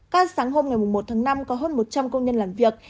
ca sáng hôm một năm có hơn một trăm linh công nhân làm việc